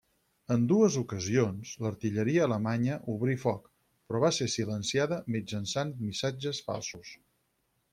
En dues ocasions, l'artilleria alemanya obrí foc, però va ser silenciada mitjançant missatges falsos.